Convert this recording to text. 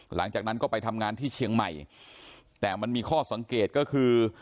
หลังจากนั้นก็ไปทำงานที่เชียงใหม่แต่มันมีข้อสังเกตก็คือ